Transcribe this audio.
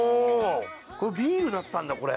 これビールだったんだこれ。